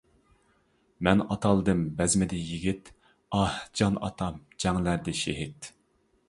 مەن ئاتالدىم بەزمىدە يىگىت، ئاھ، جان ئاتام جەڭلەردە شېھىت.